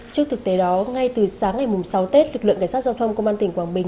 trước thực tế đó ngay từ sáng ngày sáu tết lực lượng cảnh sát giao thông công an tỉnh quảng bình